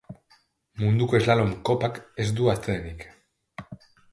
Munduko slalom kopak ez du atsedenik.